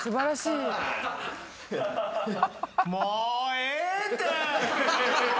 もうええて。